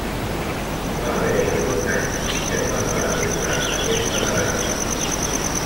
Va haver-hi alguns anys en què no es va atorgar aquesta medalla.